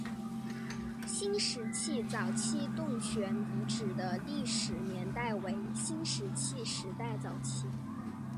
新石器早期洞穴遗址的历史年代为新石器时代早期。